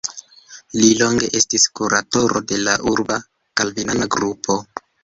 Li longe estis kuratoro de la urba kalvinana grupo.